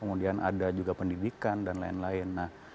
kemudian ada juga pendidikan dan lain lain